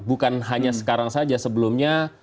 bukan hanya sekarang saja sebelumnya